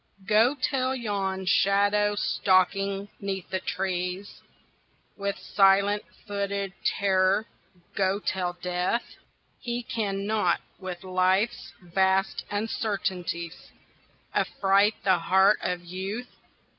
Go tell yon shadow stalking 'neath the trees With silent footed terror, go tell Death He cannot with Life's vast uncertainties Affright the heart of Youth